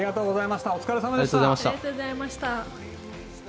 お疲れさまでした。